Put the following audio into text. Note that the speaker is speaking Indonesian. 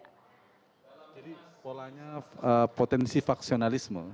jadi polanya potensi faksionalisme